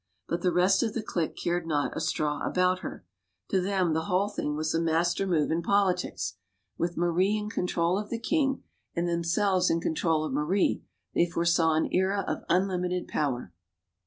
But the rest of the clique cared not a straw about her. To them, the whole thing was a master move in politics. With Marie in control of the king, and themselves in control of Marie, they foresaw an era of unlimited power.